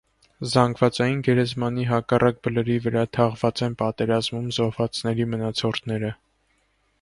Զանգվածային գերեզմանի հակառակ բլրի վրա թաղված են պատերազմում զոհվածների մնացորդները։